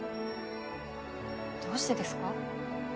どうしてですか？